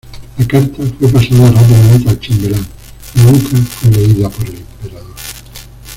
La carta fue pasada rápidamente al chambelán y nunca fue leída por el emperador.